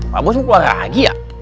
pak bos mau keluar lagi ya